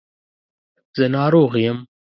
زه ناروغ یم